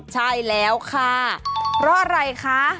ใช่แล้วค่ะเพราะอะไรคะ